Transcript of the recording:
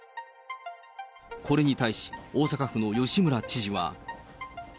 これに対し、大阪府の吉村知事は。